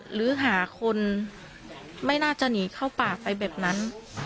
หรือหาคนไม่น่าจะหนีเข้าป่าไปแบบนั้น